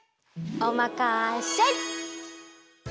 おまかシェル！